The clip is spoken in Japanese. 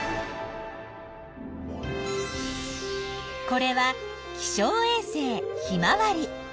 これは気象衛星ひまわり。